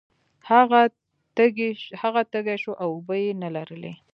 هغه تږی شو او اوبه یې نلرلې.